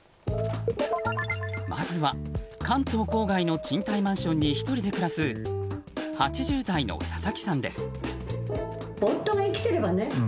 まずは、関東郊外の賃貸マンションに１人で暮らす８０代の佐々木さんです。